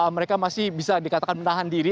mereka masih bisa dikatakan menahan diri